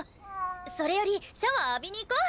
それよりシャワー浴びに行こう！